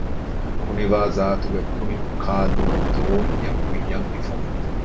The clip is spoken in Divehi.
ކުނިވާޒާތުގެ ކުނިއުކާލުމަށް ދޯންޏެއް ކުއްޔަށް ހިފުން